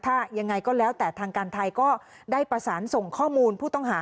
ถ้ายังไงก็แล้วแต่ทางการไทยก็ได้ประสานส่งข้อมูลผู้ต้องหา